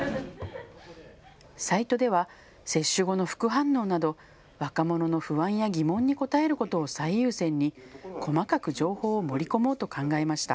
サイトでは接種後の副反応など若者の不安や疑問に答えることを最優先に細かく情報を盛り込もうと考えました。